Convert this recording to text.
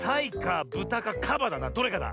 どれかだ。